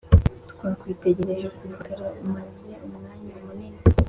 twakwitegereje kuva kare umaze umwanya munini